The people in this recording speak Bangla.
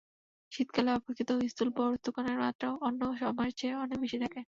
শীতকালে অপেক্ষাকৃত স্থূল বস্তুকণার মাত্রাও অন্য সময়ের চেয়ে অনেক বেশি থাকে।